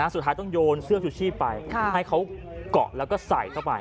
สุดท้ายต้องโยนเสื้อชูชีพไปให้เขาเกาะแล้วก็ใส่เข้าไป